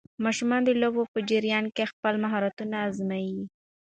ماشومان د لوبو په جریان کې خپل مهارتونه ازمويي.